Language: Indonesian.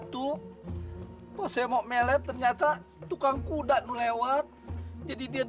dia seperti tidak mengenali aku